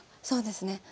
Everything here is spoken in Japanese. そうですね